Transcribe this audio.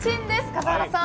笠原さん